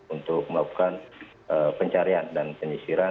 untuk melakukan pencarian dan penyisiran